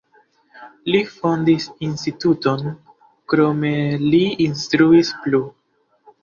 Li fondis instituton, krome li instruis plu.